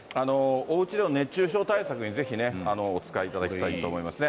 おうちでの熱中症対策にね、ぜひね、お使いいただきたいと思いますね。